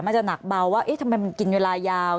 มันจะหนักเบาทำไมมันกินเวลายาว